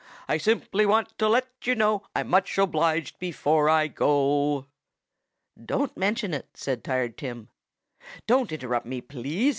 I simply want to let you know I'm much obliged, before I go." "Don't mention it!" said Tired Tim. "Don't interrupt me, please!"